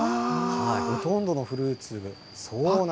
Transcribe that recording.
ほとんどのフルーツ。